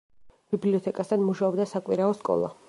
ბიბლიოთეკასთან მუშაობდა საკვირაო სკოლა.